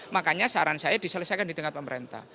makanya saran saya diselesaikan di tengah tengah ini